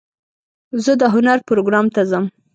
زه د هنر پروګرام ته ځم.